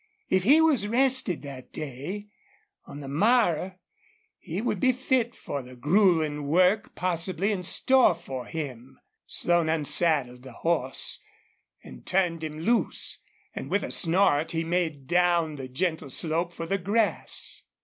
If he was rested that day, on the morrow he would be fit for the grueling work possibly in store for him. Slone unsaddled the horse and turned him loose, and with a snort he made down the gentle slope for the grass.